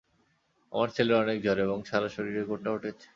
আমার ছেলের অনেক জ্বর এবং সারা শরীরে গোটা উঠেছে।